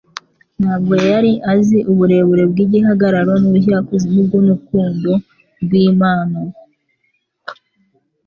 Ntabwo yari azi uburebure bw'igihagararo n'ubujyakuzimu bw'untkundo rw'Imana.